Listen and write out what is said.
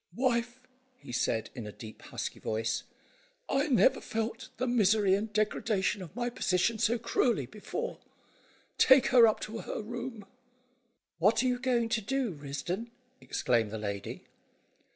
"Wife," he said, in a deep, husky voice, "I never felt the misery and degradation of my position so cruelly before. Take her up to her room." "What are you going to do, Risdon?" exclaimed the lady.